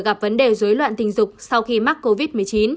gặp vấn đề dối loạn tình dục sau khi mắc covid một mươi chín